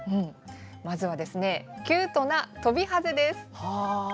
まずはキュートなトビハゼです。